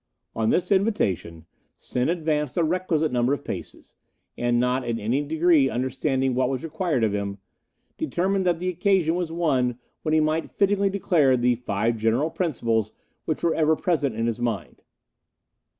"On this invitation Sen advanced the requisite number of paces, and not in any degree understanding what was required of him, determined that the occasion was one when he might fittingly declare the Five General Principles which were ever present in his mind.